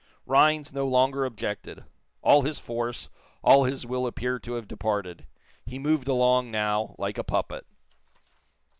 Rhinds no longer objected. All his force, all his will appeared to have departed. He moved along, now, like a puppet.